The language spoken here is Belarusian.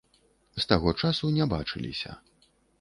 З таго часу не бачыліся.